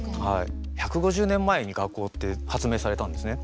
１５０年前に学校って発明されたんですね。